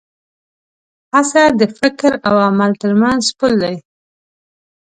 هڅه د فکر او عمل تر منځ پُل دی.